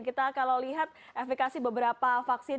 kita kalau lihat efekasi beberapa vaksin